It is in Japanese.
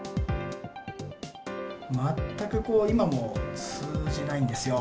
全くこう、今も通じないんですよ。